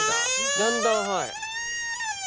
だんだんはい。